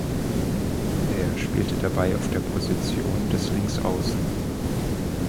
Er spielte dabei auf der Position des Linksaußen.